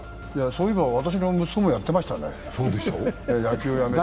そういえば私の息子もやっていましたね、野球をやめて。